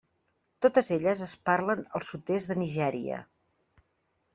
Totes elles es parlen al sud-est de Nigèria.